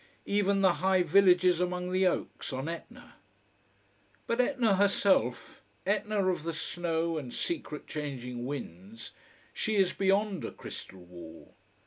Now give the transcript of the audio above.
Even the high villages among the oaks, on Etna. But Etna herself, Etna of the snow and secret changing winds, she is beyond a crystal wall.